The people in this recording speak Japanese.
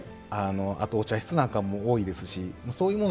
あとお茶室なんかも多いですしそういうもの